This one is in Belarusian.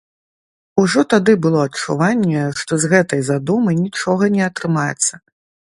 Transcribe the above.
Ужо тады было адчуванне, што з гэтай задумы нічога не атрымаецца.